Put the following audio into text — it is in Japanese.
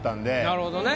なるほどね。